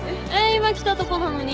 今来たとこなのに？